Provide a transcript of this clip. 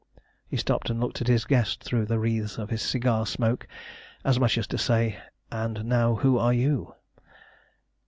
He stopped and looked at his guest through the wreaths of his cigar smoke as much as to say: "And now who are you?"